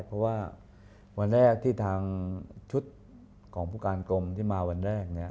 เพราะว่าวันแรกที่ทางชุดของผู้การกรมที่มาวันแรก